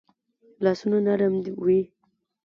لاسونه نرم وي